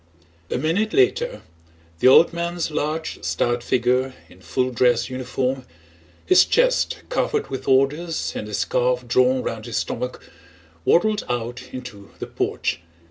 A minute later the old man's large stout figure in full dress uniform, his chest covered with orders and a scarf drawn round his stomach, waddled out into the porch.